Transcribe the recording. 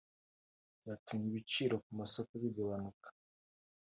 byatumye ibiciro ku masoko bigabanuka